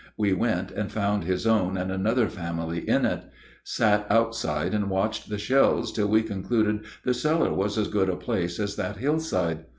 We went, and found his own and another family in it; sat outside and watched the shells till we concluded the cellar was as good a place as that hillside.